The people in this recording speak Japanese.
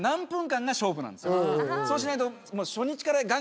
そうしないと。